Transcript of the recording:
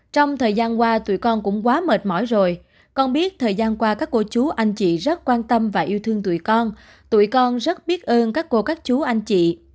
trong thời gian qua tuổi con cũng quá mệt mỏi rồi con biết thời gian qua các cô chú anh chị rất quan tâm và yêu thương con tụi con rất biết ơn các cô các chú anh chị